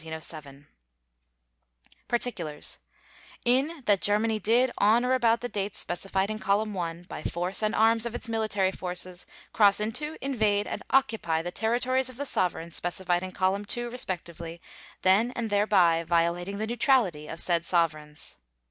_ PARTICULARS: In that Germany did, on or about the dates specified in Column 1, by force and arms of its military forces, cross into, invade, and occupy the territories of the Sovereigns specified in Column 2, respectively, then and thereby violating the neutrality of said Sovereigns.